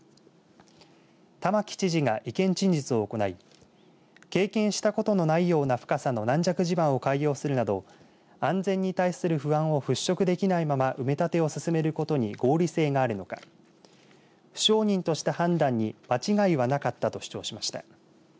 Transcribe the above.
玉城知事が意見陳述を行い経験したことのないような深さの軟弱地盤を改良するなど安全に対する不安を払拭できないまま埋め立てを進めることに合理性があるのか不承認とした判断に間違いはなかったと主張しました。